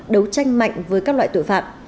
đấu tranh mạnh với các loại tội phạm